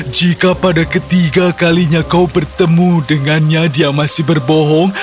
jika pada ketiga kalinya kau bertemu dengannya dia masih berbohong